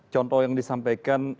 contoh yang disampaikan